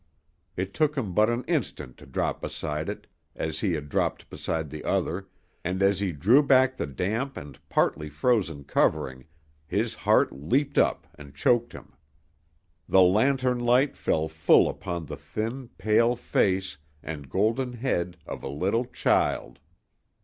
It took him but an instant to drop beside it, as he had dropped beside the other, and as he drew back the damp and partly frozen covering his heart leaped up and choked him. The lantern light fell full upon the thin, pale face and golden head of a little child.